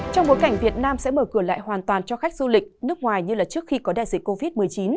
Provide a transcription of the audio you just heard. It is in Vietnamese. trong bối cảnh việt nam sẽ mở cửa lại hoàn toàn cho khách du lịch nước ngoài như trước khi có đại dịch covid một mươi chín